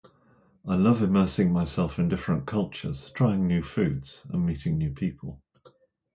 I love immersing myself in different cultures, trying new foods, and meeting new people.